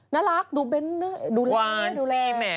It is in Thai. น่ารักดูเบ้นแหววดูแล